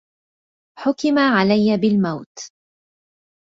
حُكِم عليّ بالموت.